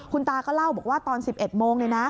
คุณตาก็เล่าบอกว่าตอน๑๑โมง